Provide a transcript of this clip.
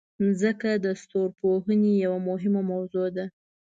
مځکه د ستورپوهنې یوه مهمه موضوع ده.